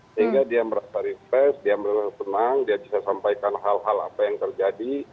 sehingga dia merasa refresh dia merasa senang dia bisa sampaikan hal hal apa yang terjadi